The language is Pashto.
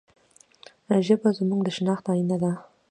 ژبه زموږ د شناخت آینه ده.